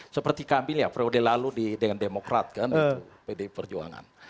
seperti kami lihat periode lalu dengan demokrat kan itu pdi perjuangan